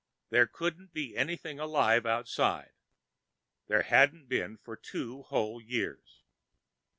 There couldn't be anything alive outside. There hadn't been for two whole years.